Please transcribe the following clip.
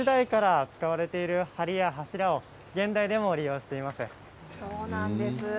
江戸時代から使われている梁や柱を現代でも利用しています。